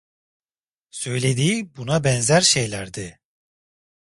Söylediği buna benzer şeylerdi.